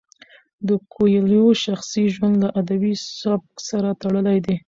د کویلیو شخصي ژوند له ادبي سبک سره تړلی دی.